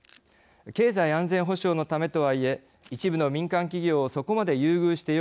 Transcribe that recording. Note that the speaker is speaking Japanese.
経済安全保障のためとはいえ一部の民間企業をそこまで優遇してよいのか。